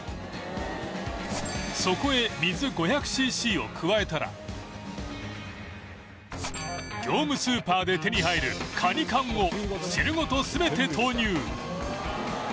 そこへ水５００ｃｃを加えたら業務スーパーで手に入るカニ缶を汁ごと全て投入